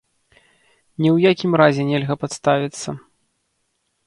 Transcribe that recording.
Ні ў якім разе нельга падставіцца.